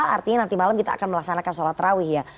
artinya nanti malam kita akan melaksanakan sholat terawih ya